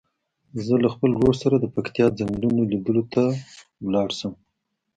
زه له خپل ورور سره د پکتیا څنګلونو لیدلو ته لاړ شم.